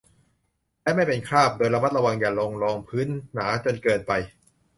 และไม่เป็นคราบ โดยระมัดระวังอย่าลงรองพื้นหนาจนเกินไป